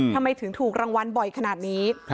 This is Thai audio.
ทำไมถึงถูกรางวัลบ่อยขนาดนี้